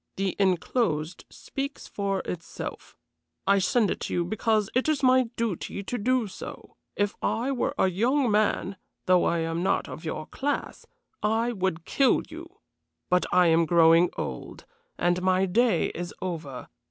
The enclosed speaks for itself. I send it to you because it is my duty to do so. If I were a young man, though I am not of your class, I would kill you. But I am growing old, and my day is over.